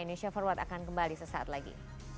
indonesia forward akan kembali sesaat lagi